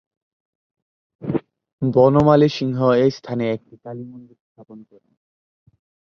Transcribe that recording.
বনমালী সিংহ এই স্থানে একটি কালীমন্দির স্থাপন করেন।